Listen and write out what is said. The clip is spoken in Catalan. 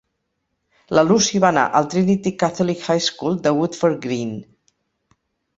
La Lucy va anar al Trinity Catholic High School de Woodford Green.